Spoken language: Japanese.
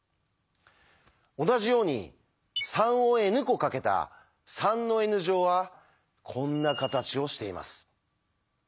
同じように３をｎ個かけた３のｎ乗はこんな形をしています。